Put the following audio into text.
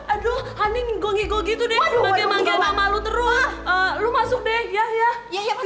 aduh anjing gogi gogi tuh deh lu masuk deh ya ya